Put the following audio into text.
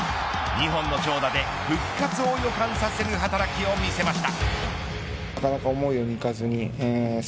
２本の長打で復活を予感させる働きを見せました。